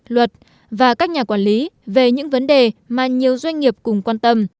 luật và các nhà quản lý về những vấn đề mà nhiều doanh nghiệp cùng quan tâm